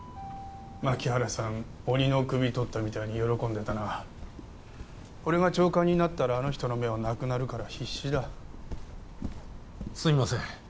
槇原さん鬼の首とったみたいに喜んでたな俺が長官になったらあの人の目はなくなるから必死だすいません